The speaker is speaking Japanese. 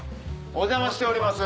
お邪魔しております。